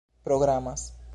programas